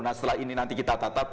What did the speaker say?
nah setelah ini nanti kita tatap